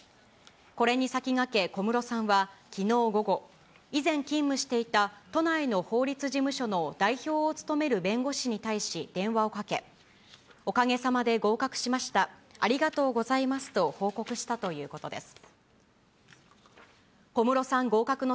これに先駆け小室さんはきのう午後、以前勤務していた都内の法律事務所の代表を務める弁護士に対し電話をかけ、おかげさまで合格しました、ありがとうございますと報告したということです。